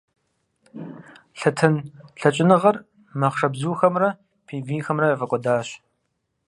Лъэтэн лъэкӀыныгъэр махъшэбзухэмрэ пингвинхэмрэ яфӀэкӀуэдащ.